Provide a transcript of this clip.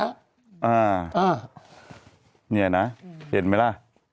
อ่าเนี่ยนะเห็นไหมล่ะ